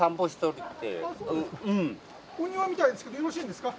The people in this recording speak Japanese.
お庭みたいですけどよろしいんですか？